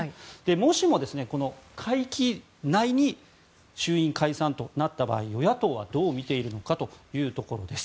もしも、会期内に衆院解散となった場合与野党はどう見ているのかというところです。